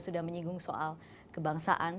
sudah menyinggung soal kebangsaan